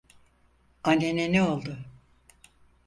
Annene ne oldu?